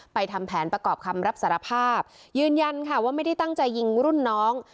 ทำแผนประกอบคำรับสารภาพยืนยันค่ะว่าไม่ได้ตั้งใจยิงรุ่นน้อง